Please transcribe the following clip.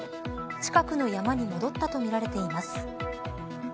近くの山に戻ったとみられています。